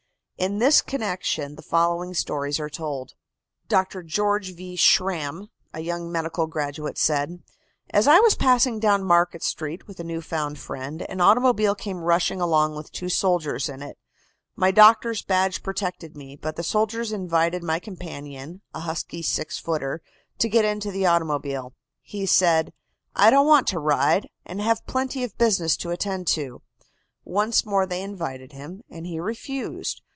In this connection the following stories are told: Dr. George V. Schramm, a young medical graduate, said: "As I was passing down Market Street with a new found friend, an automobile came rushing along with two soldiers in it. My doctor's badge protected me, but the soldiers invited my companion, a husky six footer, to get into the automobile. He said: "'I don't want to ride, and have plenty of business to attend to.' "Once more they invited him, and he refused.